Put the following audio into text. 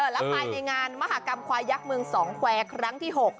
และภายในงานมหากรรมควายยักษ์เมืองสองแควร์ครั้งที่๖